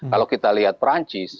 kalau kita lihat perancis